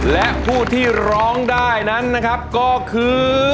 และผู้ที่ร้องได้นั้นนะครับก็คือ